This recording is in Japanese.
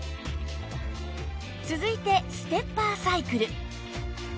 続いてステッパーサイクル